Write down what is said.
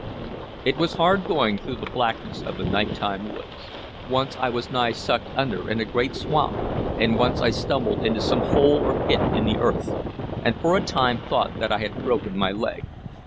It was hard going through the blackness of the night time woods. Once I was nigh sucked under in a great swamp, and once I stumbled into some hole or pit in the earth, and for a time thought that I had broken my leg.